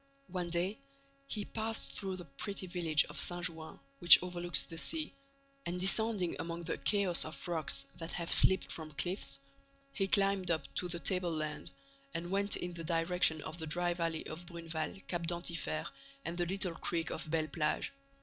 One day, he passed through the pretty village of Saint Jouin, which overlooks the sea, and descending among the chaos of rocks that have slipped from cliffs, he climbed up to the tableland and went in the direction of the dry valley of Bruneval, Cap d'Antifer and the little creek of Belle Plage.